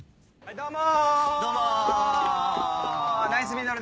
どうも。